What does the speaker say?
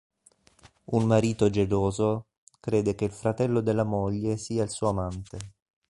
Un marito geloso crede che il fratello della moglie sia il suo amante.